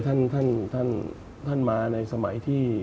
ท่านมาในสมัยที่